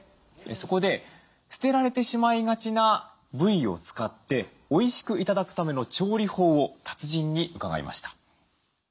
そこで捨てられてしまいがちな部位を使っておいしく頂くための調理法を達人に伺いました。